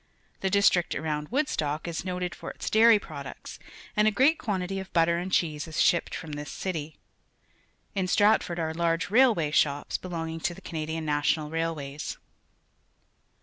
The district around Woodstock is noted forjts dairy products, and a great quan tity of butter and cheese is sliipped from this city. Iii" Stratford are_ large railway shops, belonging to the Ca nadian National Railways.